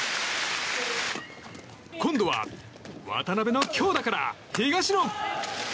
今度は渡辺の強打から東野！